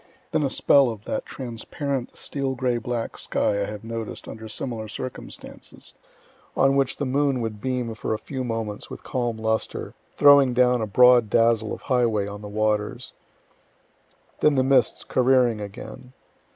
Then a spell of that transparent steel gray black sky I have noticed under similar circumstances, on which the moon would beam for a few moments with calm lustre, throwing down a broad dazzle of highway on the waters; then the mists careering again.